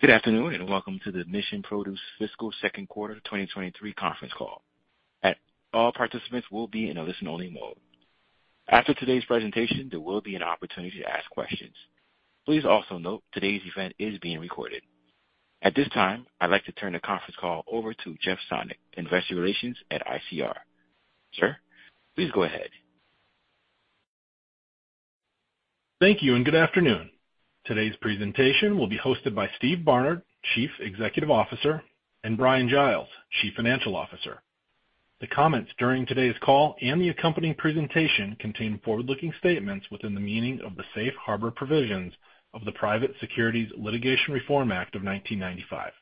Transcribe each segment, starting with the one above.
Good afternoon, and welcome to the Mission Produce Fiscal Second Quarter 2023 Conference Call. All participants will be in a listen-only mode. After today's presentation, there will be an opportunity to ask questions. Please also note today's event is being recorded. At this time, I'd like to turn the conference call over to Jeff Sonnek, Investor Relations at ICR. Sir, please go ahead. Thank you, good afternoon. Today's presentation will be hosted by Steve Barnard, Chief Executive Officer, and Bryan Giles, Chief Financial Officer. The comments during today's call and the accompanying presentation contain forward-looking statements within the meaning of the Safe Harbor Provisions of the Private Securities Litigation Reform Act of 1995.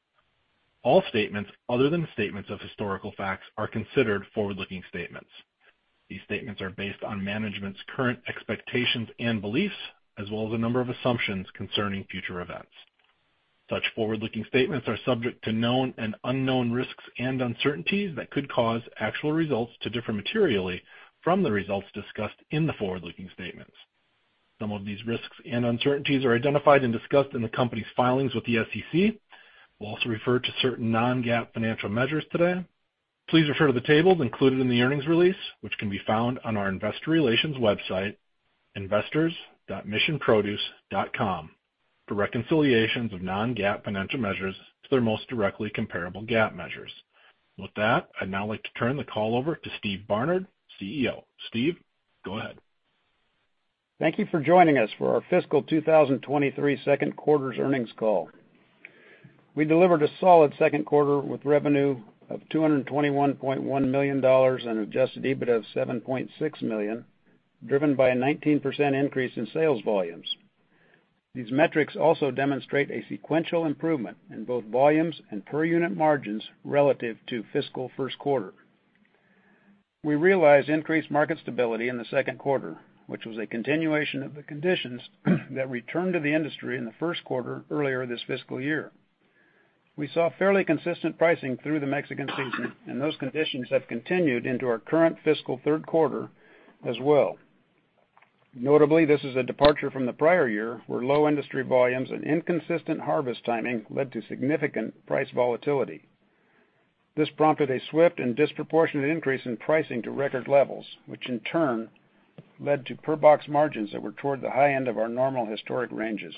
All statements other than statements of historical facts are considered forward-looking statements. These statements are based on management's current expectations and beliefs, as well as a number of assumptions concerning future events. Such forward-looking statements are subject to known and unknown risks and uncertainties that could cause actual results to differ materially from the results discussed in the forward-looking statements. Some of these risks and uncertainties are identified and discussed in the company's filings with the SEC. We'll also refer to certain non-GAAP financial measures today. Please refer to the tables included in the earnings release, which can be found on our investor relations website, investors.missionproduce.com, for reconciliations of non-GAAP financial measures to their most directly comparable GAAP measures. With that, I'd now like to turn the call over to Steve Barnard, CEO. Steve, go ahead. Thank you for joining us for our fiscal 2023 second quarters earnings call. We delivered a solid second quarter with revenue of $221.1 million and Adjusted EBITDA of $7.6 million, driven by a 19% increase in sales volumes. These metrics also demonstrate a sequential improvement in both volumes and per unit margins relative to fiscal first quarter. We realized increased market stability in the second quarter, which was a continuation of the conditions that returned to the industry in the first quarter earlier this fiscal year. We saw fairly consistent pricing through the Mexican season, those conditions have continued into our current fiscal third quarter as well. Notably, this is a departure from the prior year, where low industry volumes and inconsistent harvest timing led to significant price volatility. This prompted a swift and disproportionate increase in pricing to record levels, which in turn led to per-box margins that were toward the high end of our normal historic ranges.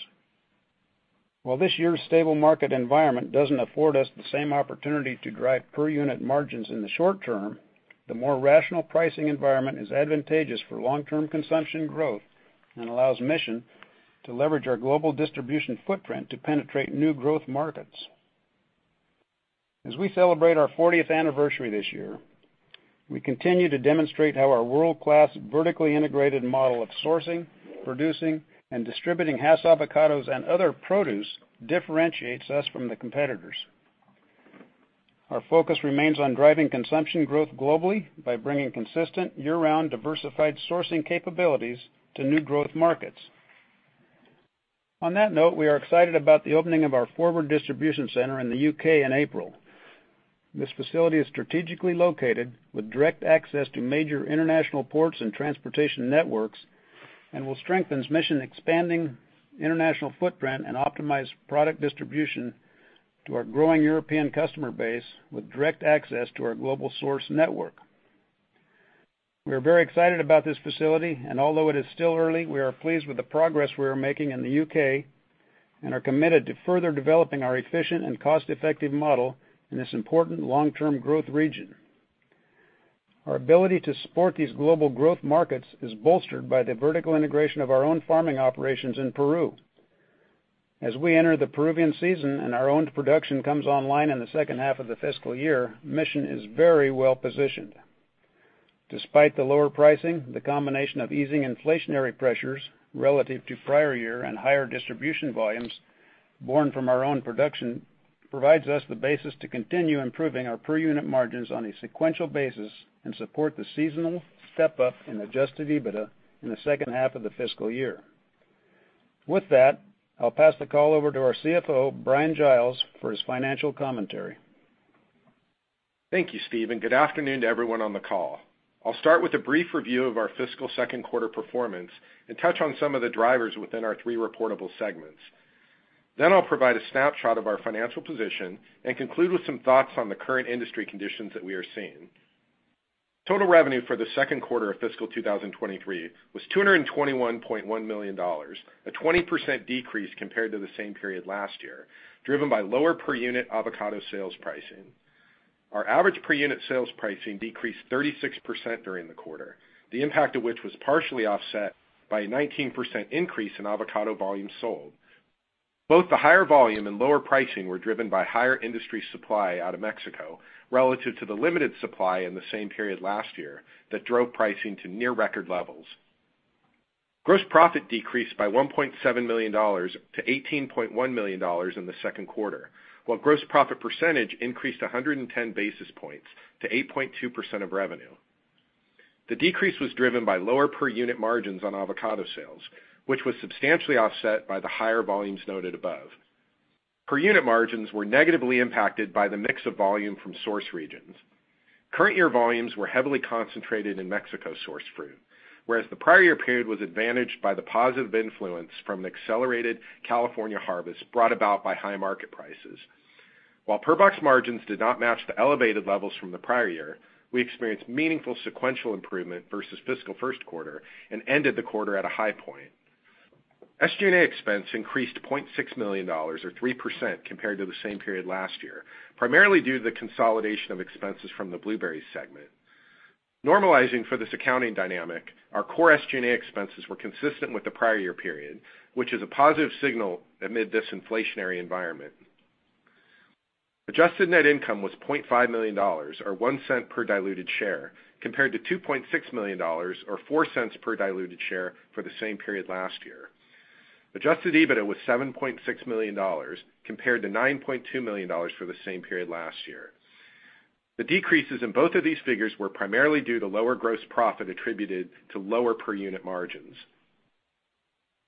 While this year's stable market environment doesn't afford us the same opportunity to drive per-unit margins in the short term, the more rational pricing environment is advantageous for long-term consumption growth and allows Mission to leverage our global distribution footprint to penetrate new growth markets. As we celebrate our 40th anniversary this year, we continue to demonstrate how our world-class, vertically integrated model of sourcing, producing, and distributing Hass avocados and other produce differentiates us from the competitors. Our focus remains on driving consumption growth globally by bringing consistent, year-round, diversified sourcing capabilities to new growth markets. On that note, we are excited about the opening of our forward distribution center in the U.K. in April. This facility is strategically located with direct access to major international ports and transportation networks and will strengthen Mission's expanding international footprint and optimize product distribution to our growing European customer base with direct access to our global source network. We are very excited about this facility, and although it is still early, we are pleased with the progress we are making in the U.K. and are committed to further developing our efficient and cost-effective model in this important long-term growth region. Our ability to support these global growth markets is bolstered by the vertical integration of our own farming operations in Peru. As we enter the Peruvian season and our owned production comes online in the second half of the fiscal year, Mission is very well positioned. Despite the lower pricing, the combination of easing inflationary pressures relative to prior year and higher distribution volumes borne from our own production provides us the basis to continue improving our per unit margins on a sequential basis and support the seasonal step up in Adjusted EBITDA in the second half of the fiscal year. With that, I'll pass the call over to our CFO, Bryan Giles, for his financial commentary. Thank you, Steve. Good afternoon to everyone on the call. I'll start with a brief review of our fiscal second quarter performance and touch on some of the drivers within our three reportable segments. I'll provide a snapshot of our financial position and conclude with some thoughts on the current industry conditions that we are seeing. Total revenue for the second quarter of fiscal 2023 was $221.1 million, a 20% decrease compared to the same period last year, driven by lower per unit avocado sales pricing. Our average per unit sales pricing decreased 36% during the quarter, the impact of which was partially offset by a 19% increase in avocado volume sold. Both the higher volume and lower pricing were driven by higher industry supply out of Mexico, relative to the limited supply in the same period last year, that drove pricing to near record levels. Gross profit decreased by $1.7 million to $18.1 million in the second quarter, while gross profit percentage increased 110 basis points to 8.2% of revenue. The decrease was driven by lower per unit margins on avocado sales, which was substantially offset by the higher volumes noted above. Per unit margins were negatively impacted by the mix of volume from source regions. Current year volumes were heavily concentrated in Mexico-sourced fruit, whereas the prior year period was advantaged by the positive influence from an accelerated California harvest brought about by high market prices. While per-box margins did not match the elevated levels from the prior year, we experienced meaningful sequential improvement versus fiscal first quarter and ended the quarter at a high point. SG&A expense increased $0.6 million or 3% compared to the same period last year, primarily due to the consolidation of expenses from the blueberry segment. Normalizing for this accounting dynamic, our core SG&A expenses were consistent with the prior year period, which is a positive signal amid this inflationary environment. Adjusted net income was $0.5 million, or $0.01 per diluted share, compared to $2.6 million, or $0.04 per diluted share, for the same period last year. Adjusted EBITDA was $7.6 million, compared to $9.2 million for the same period last year. The decreases in both of these figures were primarily due to lower gross profit attributed to lower per unit margins.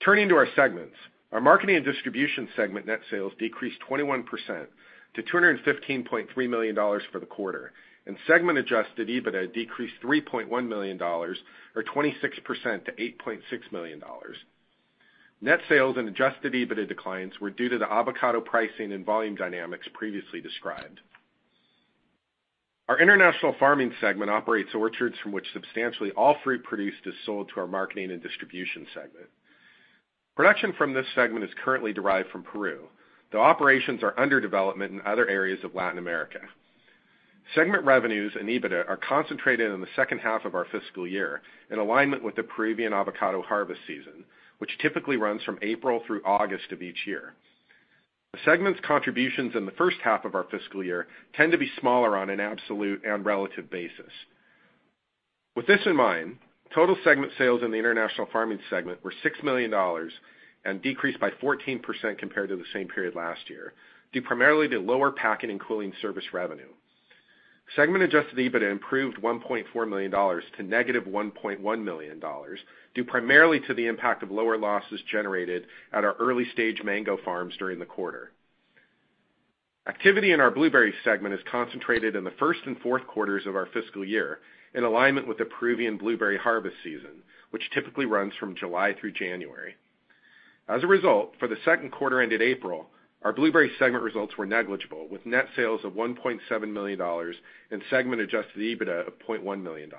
Turning to our segments. Our marketing and distribution segment net sales decreased 21% to $215.3 million for the quarter, and segment Adjusted EBITDA decreased $3.1 million, or 26% to $8.6 million. Net sales and Adjusted EBITDA declines were due to the avocado pricing and volume dynamics previously described. Our international farming segment operates orchards from which substantially all fruit produced is sold to our marketing and distribution segment. Production from this segment is currently derived from Peru, though operations are under development in other areas of Latin America. Segment revenues and EBITDA are concentrated in the second half of our fiscal year, in alignment with the Peruvian avocado harvest season, which typically runs from April through August of each year. The segment's contributions in the first half of our fiscal year tend to be smaller on an absolute and relative basis. With this in mind, total segment sales in the international farming segment were $6 million and decreased by 14% compared to the same period last year, due primarily to lower packing and cooling service revenue. Segment Adjusted EBITDA improved $1.4 million to negative $1.1 million, due primarily to the impact of lower losses generated at our early-stage mango farms during the quarter. Activity in our blueberry segment is concentrated in the first and fourth quarters of our fiscal year, in alignment with the Peruvian blueberry harvest season, which typically runs from July through January. As a result, for the second quarter ended April, our blueberry segment results were negligible, with net sales of $1.7 million and segment Adjusted EBITDA of $0.1 million.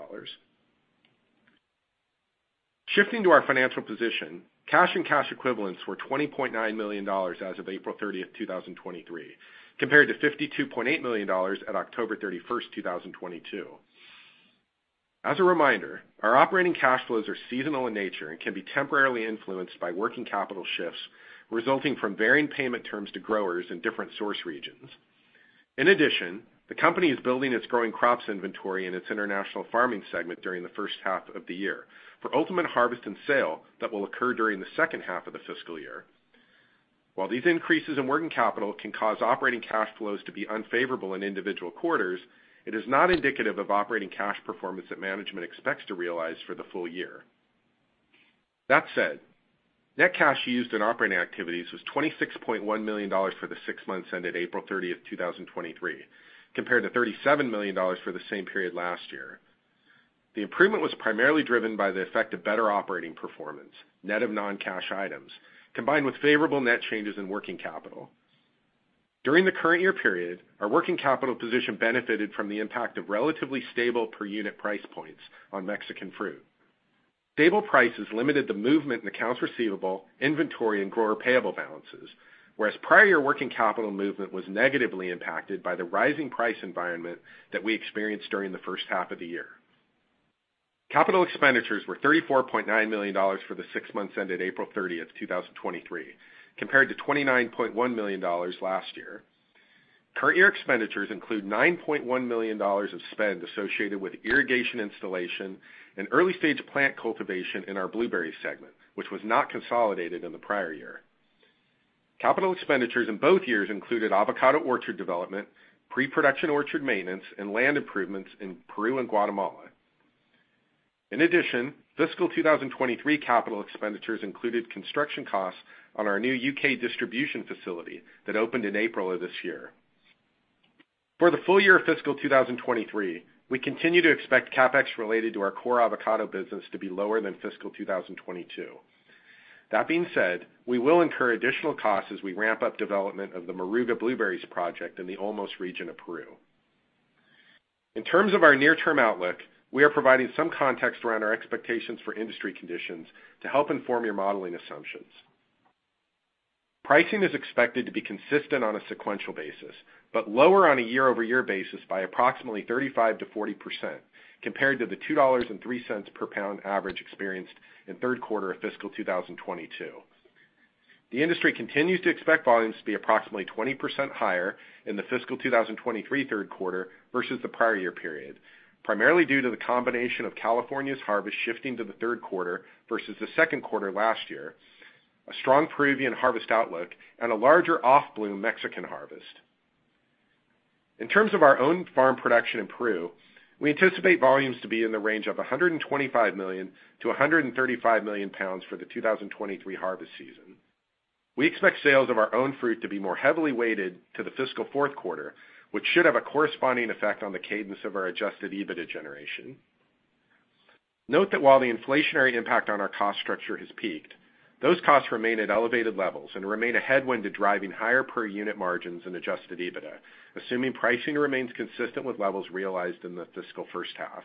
Shifting to our financial position, cash and cash equivalents were $20.9 million as of April 30th, 2023, compared to $52.8 million at October 31st, 2022. As a reminder, our operating cash flows are seasonal in nature and can be temporarily influenced by working capital shifts resulting from varying payment terms to growers in different source regions. In addition, the company is building its growing crops inventory in its international farming segment during the first half of the year for ultimate harvest and sale that will occur during the second half of the fiscal year. While these increases in working capital can cause operating cash flows to be unfavorable in individual quarters, it is not indicative of operating cash performance that management expects to realize for the full year. That said, net cash used in operating activities was $26.1 million for the six months ended April 30, 2023, compared to $37 million for the same period last year. The improvement was primarily driven by the effect of better operating performance, net of non-cash items, combined with favorable net changes in working capital. During the current year period, our working capital position benefited from the impact of relatively stable per unit price points on Mexican fruit. Stable prices limited the movement in accounts receivable, inventory, and grower payable balances, whereas prior year working capital movement was negatively impacted by the rising price environment that we experienced during the first half of the year. Capital expenditures were $34.9 million for the six months ended April thirtieth, 2023, compared to $29.1 million last year. Current year expenditures include $9.1 million of spend associated with irrigation installation and early stage plant cultivation in our blueberry segment, which was not consolidated in the prior year. Capital expenditures in both years included avocado orchard development, pre-production orchard maintenance, and land improvements in Peru and Guatemala. Fiscal 2023 capital expenditures included construction costs on our new U.K. distribution facility that opened in April of this year. For the full year of fiscal 2023, we continue to expect CapEx related to our core avocado business to be lower than fiscal 2022. We will incur additional costs as we ramp up development of the Moruga Blueberries project in the Olmos region of Peru. In terms of our near-term outlook, we are providing some context around our expectations for industry conditions to help inform your modeling assumptions. Pricing is expected to be consistent on a sequential basis, but lower on a year-over-year basis by approximately 35%-40%, compared to the $2.03 per pound average experienced in third quarter of fiscal 2022. The industry continues to expect volumes to be approximately 20% higher in the fiscal 2023 third quarter versus the prior year period, primarily due to the combination of California's harvest shifting to the third quarter versus the second quarter last year, a strong Peruvian harvest outlook, and a larger off-bloom Mexican harvest. In terms of our own farm production in Peru, we anticipate volumes to be in the range of 125 million-135 million pounds for the 2023 harvest season. We expect sales of our own fruit to be more heavily weighted to the fiscal fourth quarter, which should have a corresponding effect on the cadence of our Adjusted EBITDA generation. Note that while the inflationary impact on our cost structure has peaked, those costs remain at elevated levels and remain a headwind to driving higher per unit margins and Adjusted EBITDA, assuming pricing remains consistent with levels realized in the fiscal first half.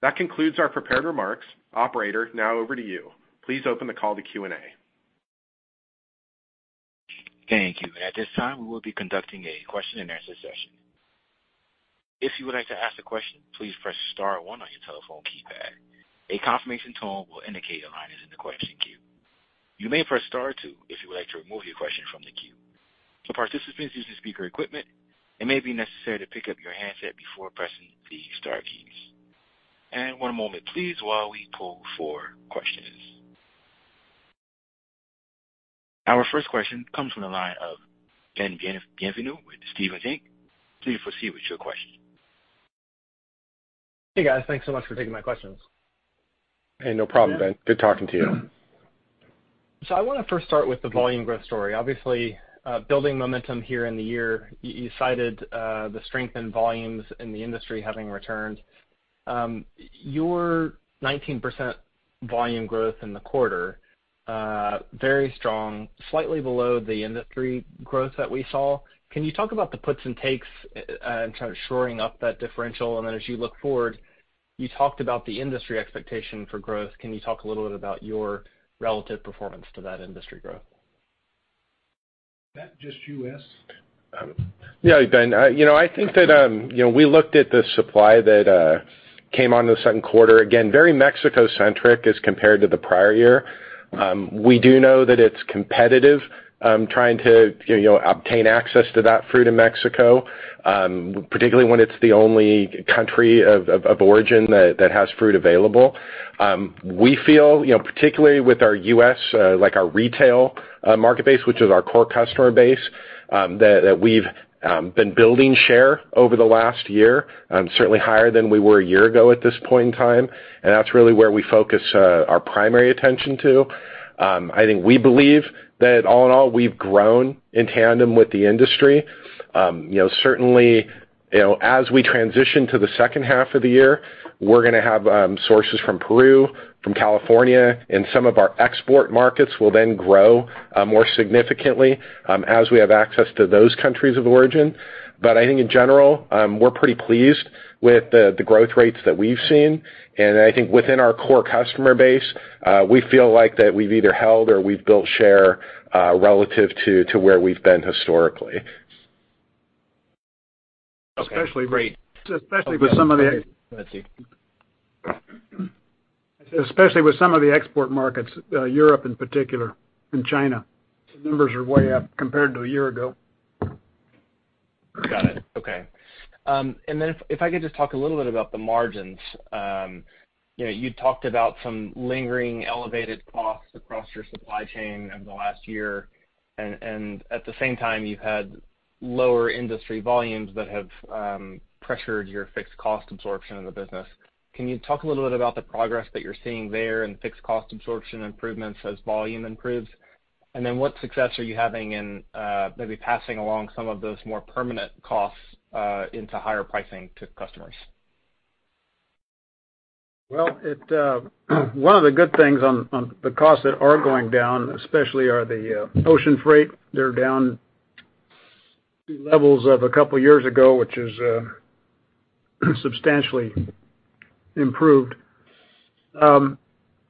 That concludes our prepared remarks. Operator, now over to you. Please open the call to Q&A. Thank you. At this time, we will be conducting a question and answer session. If you would like to ask a question, please press star one on your telephone keypad. A confirmation tone will indicate your line is in the question queue. You may press star two if you would like to remove your question from the queue. For participants using speaker equipment, it may be necessary to pick up your handset before pressing the star keys. One moment, please, while we pull for questions. Our first question comes from the line of Ben Bienvenu with Stephens Inc. Please proceed with your question. Hey, guys. Thanks so much for taking my questions. Hey, no problem, Ben. Good talking to you. I want to first start with the volume growth story. Obviously, building momentum here in the year, you cited the strength in volumes in the industry having returned. Your 19% volume growth in the quarter, very strong, slightly below the industry growth that we saw. Can you talk about the puts and takes and kind of shoring up that differential? As you look forward, you talked about the industry expectation for growth. Can you talk a little bit about your relative performance to that industry growth? That just U.S.? Yeah, Ben, you know, I think that, you know, we looked at the supply that came on in the second quarter. Again, very Mexico-centric as compared to the prior year. We do know that it's competitive, trying to, you know, obtain access to that fruit in Mexico, particularly when it's the only country of origin that has fruit available. We feel, you know, particularly with our U.S., like our retail, market base, which is our core customer base, that we've been building share over the last year, certainly higher than we were a year ago at this point in time. That's really where we focus our primary attention to. I think we believe that all in all, we've grown in tandem with the industry. You know, certainly, you know, as we transition to the second half of the year, we're gonna have sources from Peru, from California, and some of our export markets will then grow more significantly as we have access to those countries of origin. I think in general, we're pretty pleased with the growth rates that we've seen, and I think within our core customer base, we feel like that we've either held or we've built share relative to where we've been historically. Okay, great. Especially with some of the- Go ahead, Steve. Especially with some of the export markets, Europe in particular, and China, numbers are way up compared to a year ago. Got it. Okay. If, if I could just talk a little bit about the margins. You know, you talked about some lingering elevated costs across your supply chain over the last year, and at the same time, you've had lower industry volumes that have pressured your fixed cost absorption in the business. Can you talk a little bit about the progress that you're seeing there and fixed cost absorption improvements as volume improves? What success are you having in maybe passing along some of those more permanent costs into higher pricing to customers? It, one of the good things on the costs that are going down especially are the ocean freight. They're down levels of two years ago, which is substantially improved.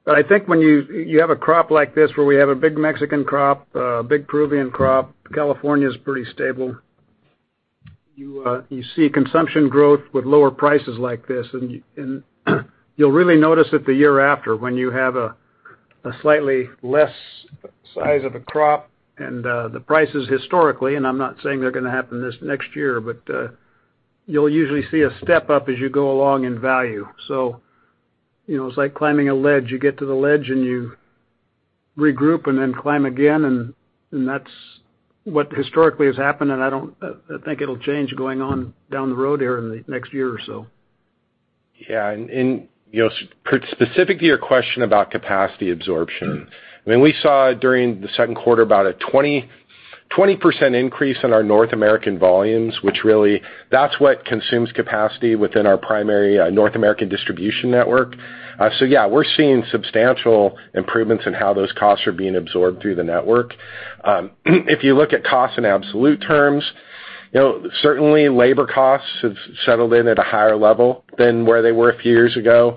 I think when you have a crop like this, where we have a big Mexican crop, a big Peruvian crop, California's pretty stable. You see consumption growth with lower prices like this, and you'll really notice it the year after, when you have a slightly less size of a crop and the prices historically, and I'm not saying they're going to happen this next year, you'll usually see a step up as you go along in value. You know, it's like climbing a ledge. You get to the ledge, and you regroup and then climb again, and that's what historically has happened, and I don't think it'll change going on down the road here in the next year or so. You know, specific to your question about capacity absorption, I mean, we saw during the second quarter about a 20% increase in our North American volumes, which really, that's what consumes capacity within our primary North American distribution network. Yeah, we're seeing substantial improvements in how those costs are being absorbed through the network. If you look at costs in absolute terms, you know, certainly labor costs have settled in at a higher level than where they were a few years ago.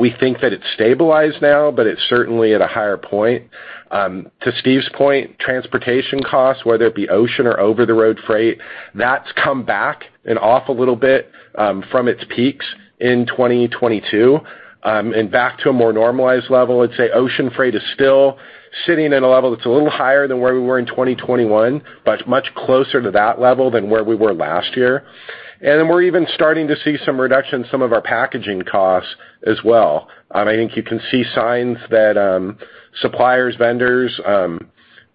We think that it's stabilized now, but it's certainly at a higher point. To Steve's point, transportation costs, whether it be ocean or over-the-road freight, that's come back and off a little bit from its peaks in 2022 and back to a more normalized level. I'd say ocean freight is still sitting at a level that's a little higher than where we were in 2021, but it's much closer to that level than where we were last year. We're even starting to see some reduction in some of our packaging costs as well. I think you can see signs that suppliers, vendors,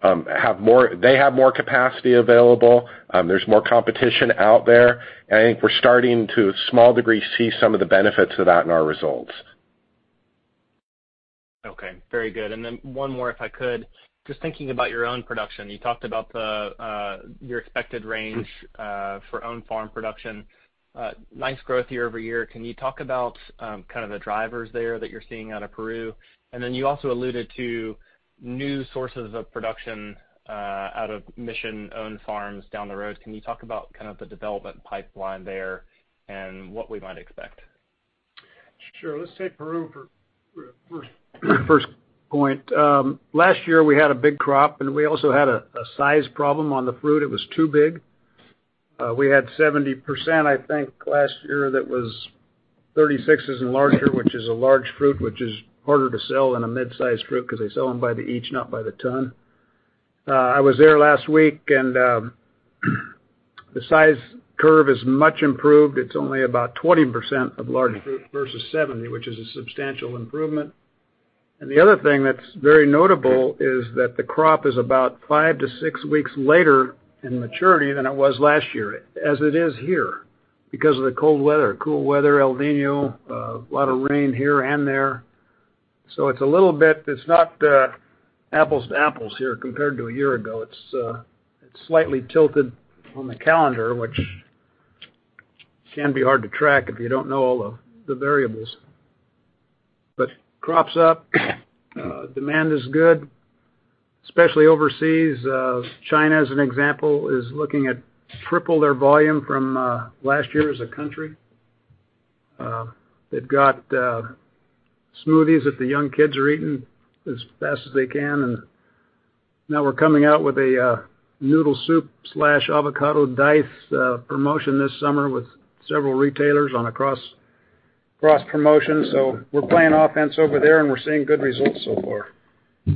they have more capacity available. There's more competition out there, and I think we're starting to, a small degree, see some of the benefits of that in our results. Okay, very good. One more, if I could. Just thinking about your own production, you talked about the, your expected range, for own farm production. Nice growth year-over-year. Can you talk about, kind of the drivers there that you're seeing out of Peru? You also alluded to new sources of production, out of Mission-owned farms down the road. Can you talk about kind of the development pipeline there and what we might expect? Sure. Let's take Peru for the first point. Last year we had a big crop, and we also had a size problem on the fruit. It was too big. We had 70%, I think, last year, that was 36s and larger, which is a large fruit, which is harder to sell than a mid-sized fruit because they sell them by the each, not by the ton. I was there last week, and the size curve is much improved. It's only about 20% of large fruit versus 70, which is a substantial improvement. The other thing that's very notable is that the crop is about 5 to 6 weeks later in maturity than it was last year, as it is here, because of the cold weather, cool weather, El Niño, a lot of rain here and there. It's a little bit It's not apples to apples here compared to a year ago. It's slightly tilted on the calendar, which can be hard to track if you don't know all of the variables. Crop's up, demand is good, especially overseas. China, as an example, is looking at triple their volume from last year as a country. They've got smoothies that the young kids are eating as fast as they can, and now we're coming out with a noodle soup/avocado diced promotion this summer with several retailers on a cross promotion. We're playing offense over there, and we're seeing good results so far.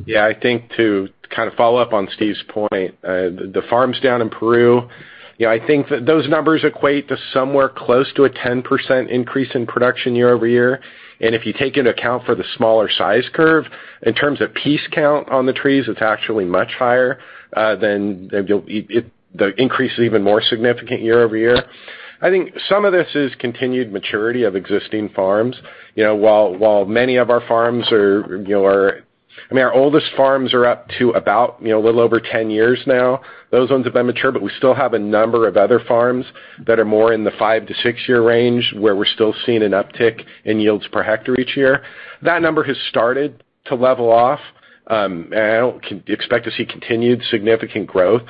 Yeah, I think to kind of follow up on Steve's point, the farms down in Peru, yeah, I think that those numbers equate to somewhere close to a 10% increase in production year-over-year. If you take into account for the smaller size curve, in terms of piece count on the trees, it's actually much higher than the increase is even more significant year-over-year. Some of this is continued maturity of existing farms. You know, while many of our farms are, you know, I mean, our oldest farms are up to about, you know, a little over 10 years now. Those ones have been mature, but we still have a number of other farms that are more in the 5-6 year range, where we're still seeing an uptick in yields per hectare each year. That number has started to level off, I don't expect to see continued significant growth.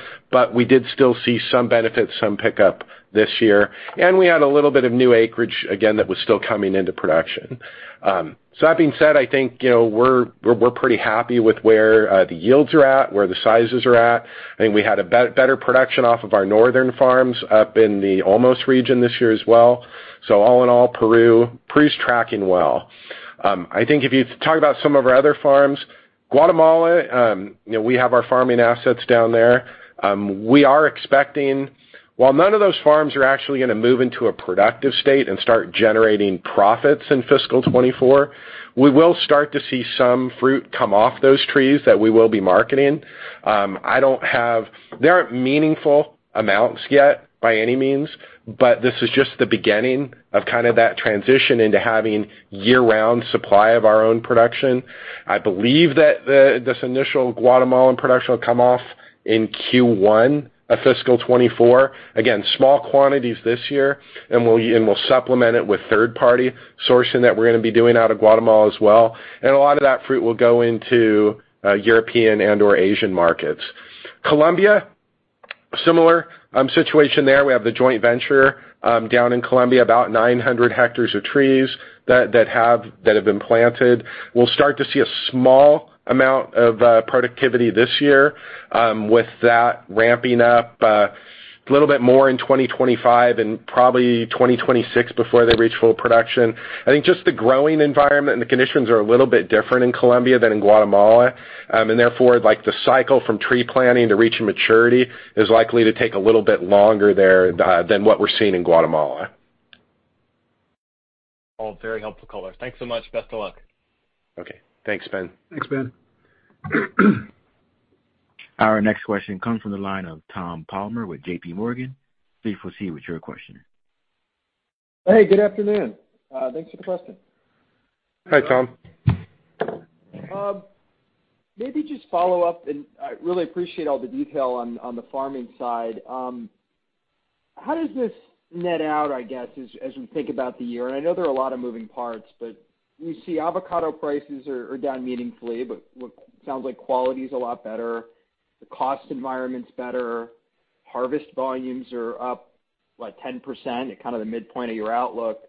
We did still see some benefit, some pickup this year. We had a little bit of new acreage, again, that was still coming into production. That being said, I think, you know, we're pretty happy with where the yields are at, where the sizes are at. I think we had a better production off of our northern farms up in the Olmos region this year as well. All in all, Peru's tracking well. I think if you talk about some of our other farms, Guatemala, you know, we have our farming assets down there. We are expecting, while none of those farms are actually gonna move into a productive state and start generating profits in fiscal 2024, we will start to see some fruit come off those trees that we will be marketing. They aren't meaningful amounts yet, by any means, but this is just the beginning of kind of that transition into having year-round supply of our own production. I believe that this initial Guatemalan production will come off in Q1 of fiscal 2024. Again, small quantities this year, and we'll supplement it with third-party sourcing that we're gonna be doing out of Guatemala as well. A lot of that fruit will go into European and/or Asian markets. Colombia, similar situation there. We have the joint venture, down in Colombia, about 900 hectares of trees that have been planted. We'll start to see a small amount of productivity this year, with that ramping up a little bit more in 2025 and probably 2026 before they reach full production. I think just the growing environment and the conditions are a little bit different in Colombia than in Guatemala. Therefore, like, the cycle from tree planting to reaching maturity is likely to take a little bit longer there than what we're seeing in Guatemala. All very helpful color. Thanks so much. Best of luck. Okay. Thanks, Ben. Thanks, Ben. Our next question comes from the line of Tom Palmer with J.P. Morgan. Please proceed with your question. Hey, good afternoon. Thanks for the question. Hi, Tom. Maybe just follow up, and I really appreciate all the detail on the farming side. How does this net out, I guess, as we think about the year? I know there are a lot of moving parts, but we see avocado prices are down meaningfully, but what sounds like quality is a lot better, the cost environment's better, harvest volumes are up, what, 10% at kind of the midpoint of your outlook.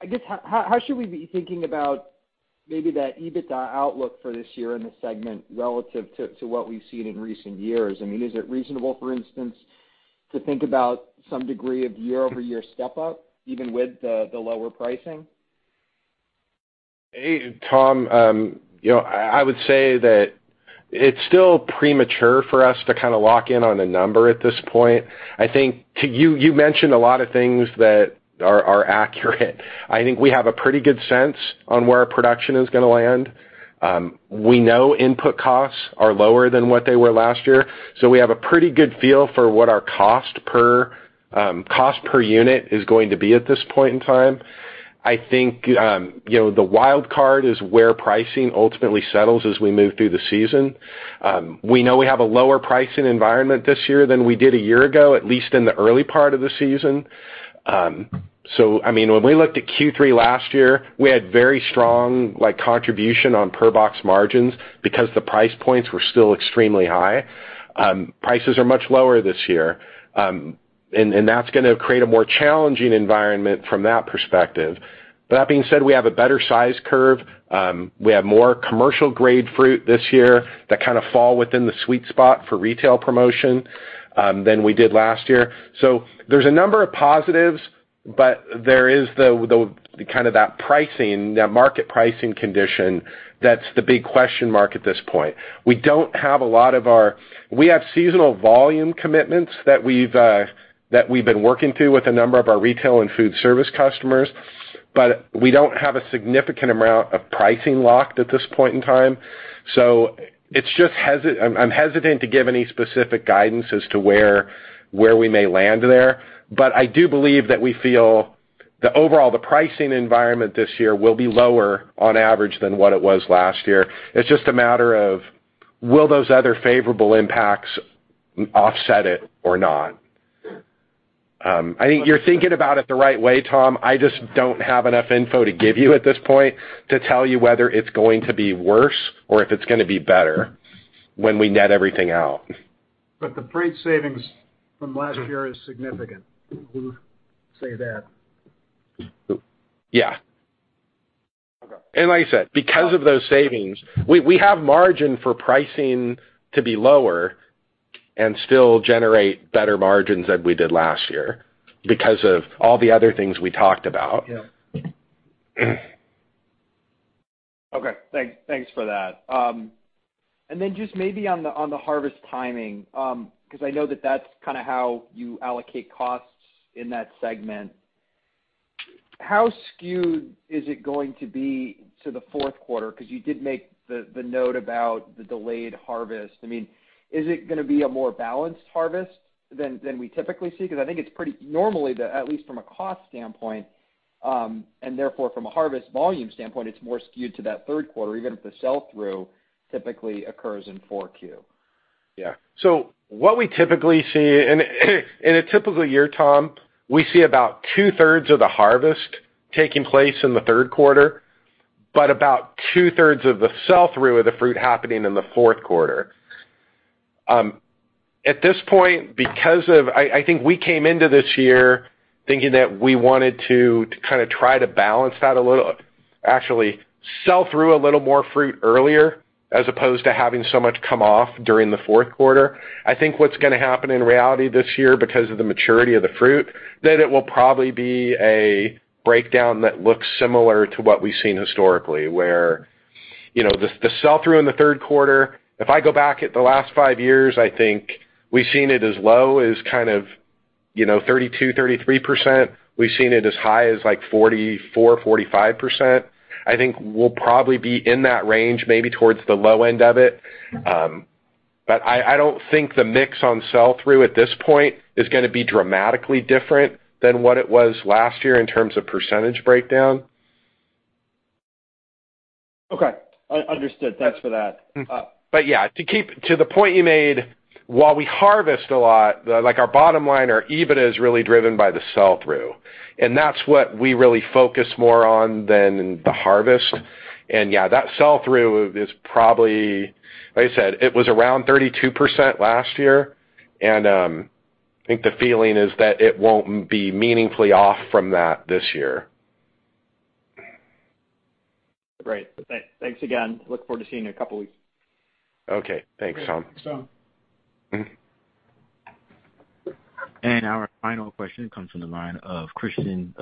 I guess, how should we be thinking about maybe that EBITDA outlook for this year in the segment relative to what we've seen in recent years? I mean, is it reasonable, for instance, to think about some degree of year-over-year step-up, even with the lower pricing? Hey, Tom. You know, I would say that it's still premature for us to kind of lock in on a number at this point. I think to you mentioned a lot of things that are accurate. I think we have a pretty good sense on where our production is gonna land. We know input costs are lower than what they were last year, so we have a pretty good feel for what our cost per unit is going to be at this point in time. I think, you know, the wild card is where pricing ultimately settles as we move through the season. We know we have a lower pricing environment this year than we did a year ago, at least in the early part of the season. I mean, when we looked at Q3 last year, we had very strong, like, contribution on per box margins because the price points were still extremely high. Prices are much lower this year, and that's gonna create a more challenging environment from that perspective. That being said, we have a better size curve. We have more commercial grade fruit this year that kind of fall within the sweet spot for retail promotion than we did last year. There's a number of positives, but there is the kind of that pricing, that market pricing condition that's the big question mark at this point. We don't have a lot of our... We have seasonal volume commitments that we've been working through with a number of our retail and food service customers, but we don't have a significant amount of pricing locked at this point in time. It's just I'm hesitant to give any specific guidance as to where we may land there. I do believe that we feel that overall, the pricing environment this year will be lower on average than what it was last year. It's just a matter of, will those other favorable impacts offset it or not? I think you're thinking about it the right way, Tom. I just don't have enough info to give you at this point to tell you whether it's going to be worse or if it's going to be better when we net everything out. The freight savings from last year is significant. We'll say that. Yeah. Okay. Like I said, because of those savings, we have margin for pricing to be lower and still generate better margins than we did last year because of all the other things we talked about. Yeah. Okay. Thanks for that. Then just maybe on the, on the harvest timing, 'cause I know that that's kind of how you allocate costs in that segment. How skewed is it going to be to the fourth quarter? 'Cause you did make the note about the delayed harvest. I mean, is it gonna be a more balanced harvest than we typically see? 'Cause I think it's pretty normally, the, at least from a cost standpoint, and therefore, from a harvest volume standpoint, it's more skewed to that third quarter, even if the sell-through typically occurs in four Q. Yeah. What we typically see, and in a typical year, Tom, we see about two-thirds of the harvest taking place in the third quarter, but about two-thirds of the sell-through of the fruit happening in the fourth quarter. At this point, because I think we came into this year thinking that we wanted to kind of try to balance that a little, actually sell through a little more fruit earlier, as opposed to having so much come off during the fourth quarter. I think what's gonna happen in reality this year, because of the maturity of the fruit, that it will probably be a breakdown that looks similar to what we've seen historically, where, you know, the sell-through in the third quarter, if I go back at the last five years, I think we've seen it as low as kind of, you know, 32%-33%. We've seen it as high as, like, 44%-45%. I think we'll probably be in that range, maybe towards the low end of it. I don't think the mix on sell-through at this point is gonna be dramatically different than what it was last year in terms of percentage breakdown. Okay. Understood. Thanks for that. Yeah, to the point you made, while we harvest a lot, the, like, our bottom line, our EBITDA is really driven by the sell-through. That's what we really focus more on than the harvest. Yeah, that sell-through is probably, like I said, it was around 32% last year. I think the feeling is that it won't be meaningfully off from that this year. Great. Thanks again. Look forward to seeing you in a couple of weeks. Okay. Thanks, Tom. Thanks, Tom. Mm-hmm. Our final question comes from the line of Christian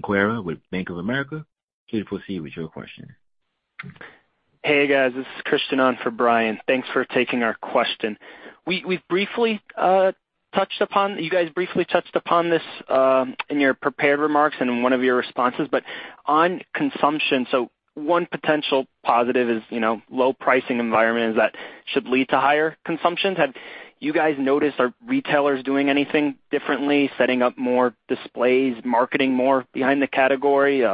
Spillane with Bank of America. Please proceed with your question. Hey, guys, this is Christian on for Brian. Thanks for taking our question. We've briefly touched upon you guys briefly touched upon this in your prepared remarks and in one of your responses. On consumption, one potential positive is, you know, low pricing environment is that should lead to higher consumptions. Have you guys noticed, are retailers doing anything differently, setting up more displays, marketing more behind the category?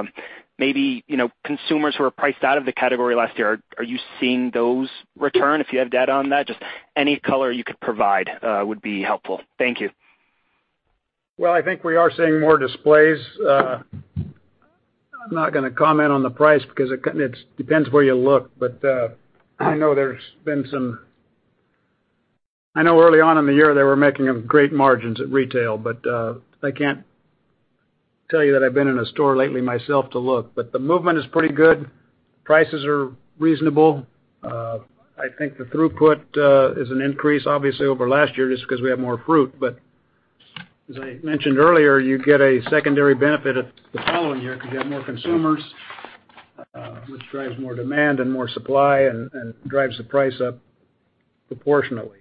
Maybe, you know, consumers who are priced out of the category last year, are you seeing those return? If you have data on that, just any color you could provide, would be helpful. Thank you. I think we are seeing more displays. I'm not gonna comment on the price because it depends where you look. I know there's been some I know early on in the year, they were making great margins at retail, but I can't tell you that I've been in a store lately myself to look. The movement is pretty good. Prices are reasonable. I think the throughput is an increase, obviously, over last year, just 'cause we have more fruit. As I mentioned earlier, you get a secondary benefit of the following year because you have more consumers, which drives more demand and more supply and drives the price up proportionately.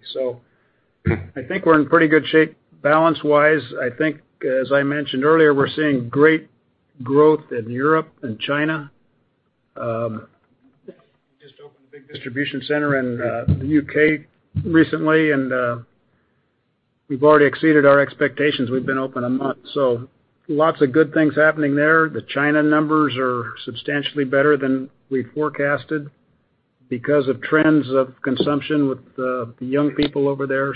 I think we're in pretty good shape balance-wise. I think, as I mentioned earlier, we're seeing great growth in Europe and China. big distribution center in the U.K. recently, and we've already exceeded our expectations. We've been open 1 month. Lots of good things happening there. The China numbers are substantially better than we forecasted because of trends of consumption with the young people over there.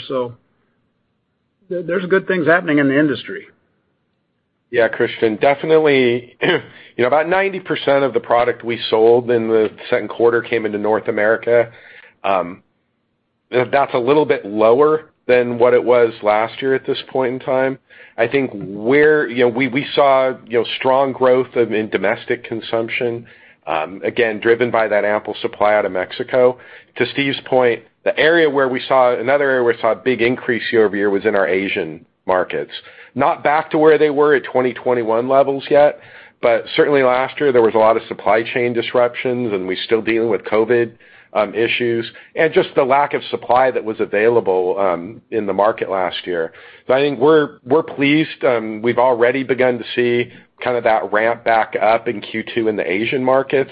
There's good things happening in the industry. Christian, definitely. You know, about 90% of the product we sold in the second quarter came into North America. That's a little bit lower than what it was last year at this point in time. I think you know, we saw, you know, strong growth of, in domestic consumption, again, driven by that ample supply out of Mexico. To Steve's point, another area where we saw a big increase year over year was in our Asian markets. Not back to where they were at 2021 levels yet, but certainly last year there was a lot of supply chain disruptions, and we're still dealing with COVID, issues and just the lack of supply that was available, in the market last year. I think we're pleased. We've already begun to see kind of that ramp back up in Q2 in the Asian markets.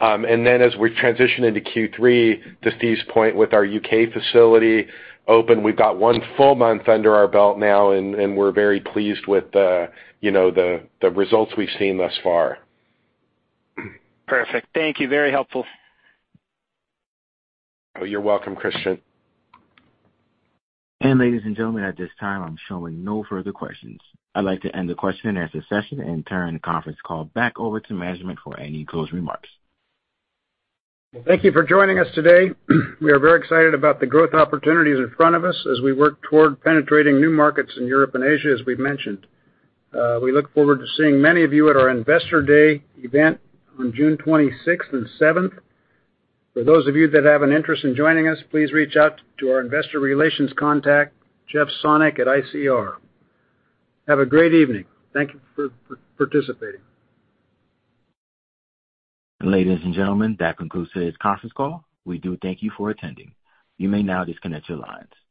As we transition into Q3, to Steve's point, with our UK facility open, we've got one full month under our belt now, and we're very pleased with the, you know, the results we've seen thus far. Perfect. Thank you. Very helpful. Oh, you're welcome, Christian. Ladies and gentlemen, at this time, I'm showing no further questions. I'd like to end the question and answer session and turn the conference call back over to management for any closing remarks. Thank you for joining us today. We are very excited about the growth opportunities in front of us as we work toward penetrating new markets in Europe and Asia, as we've mentioned. We look forward to seeing many of you at our Investor Day event on June 26th and 27th. For those of you that have an interest in joining us, please reach out to our investor relations contact, Jeff Sonnek, at ICR. Have a great evening. Thank you for participating. Ladies and gentlemen, that concludes today's conference call. We do thank you for attending. You may now disconnect your lines.